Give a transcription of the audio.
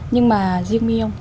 nhưng mà riêng milong